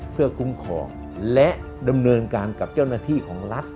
เพื่อคุ้มครองและดำเนินการกับเจ้าหน้าที่ของรัฐ